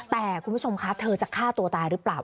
แต่คุณผู้ชมคะเธอจะฆ่าตัวตายหรือเปล่า